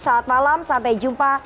selamat malam sampai jumpa